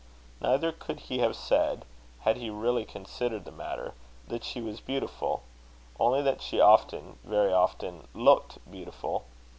Neither could he have said, had he really considered the matter, that she was beautiful only that she often, very often, looked beautiful.